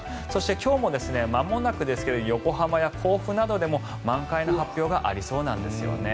そして、今日もまもなくですが横浜や甲府などでも満開の発表がありそうなんです。